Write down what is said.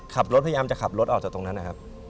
พยายามจะขับรถออกจากตรงนั้นนะครับ